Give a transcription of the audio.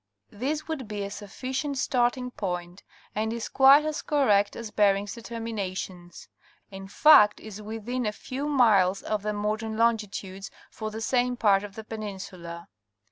This would be a sufficient starting point and is quite as correct as Bering's determinations ; in fact is within a few miles of the modern longitudes for the same part of the peninsula.